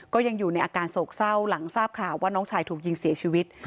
ก็ยังอยู่ในอาการโศกเศร้าหลังทราบข่าวว่าน้องชายถูกยิงเสียชีวิต